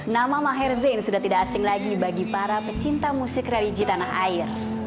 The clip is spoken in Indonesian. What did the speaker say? nama maher zain sudah tidak asing lagi bagi para pecinta musik religi tanah air